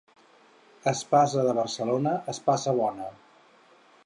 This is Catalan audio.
Espasa de Barcelona, espasa bona.